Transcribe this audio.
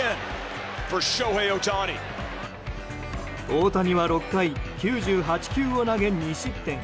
大谷は６回９８球を投げ、２失点。